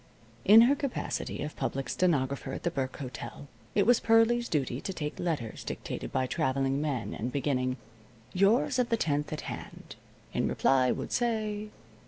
In her capacity of public stenographer at the Burke Hotel, it was Pearlie's duty to take letters dictated by traveling men and beginning: "Yours of the 10th at hand. In reply would say.